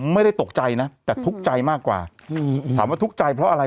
ไม่ได้ตกใจนะแต่ทุกข์ใจมากกว่าถามว่าทุกข์ใจเพราะอะไร